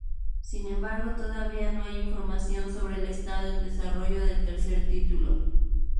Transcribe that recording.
Sin embargo todavía no hay información sobre el estado en desarrollo del tercer título.